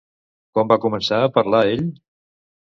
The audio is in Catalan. Com va començar a parlar ell?